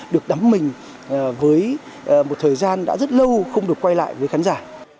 được đắm mình với một thời gian đã rất lâu không được quay lại với khán giả